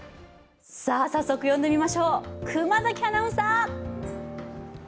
早速、呼んでみましょう、熊崎アナウンサー。